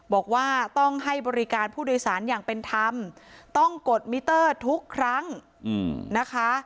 บอกว่าต้องให้บริการผู้โดยสารอย่างเป็นธรรมต้องกดมิเตอร์ทุกครั้งนะคะ